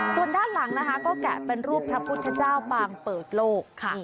ส่วนด้านหลังนะคะก็แกะเป็นรูปพระพุทธเจ้าบางเปิดโลก